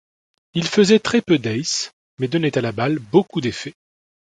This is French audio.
Il faisait très peu d'aces, mais donnait à la balle beaucoup d'effets.